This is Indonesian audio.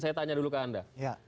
saya tanya dulu ke anda